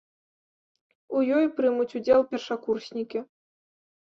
У ёй прымуць удзел першакурснікі.